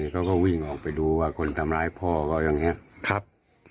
เขาก็วิ่งออกไปดูว่าคนทำร้ายพ่อเขาอย่างนี้ครับ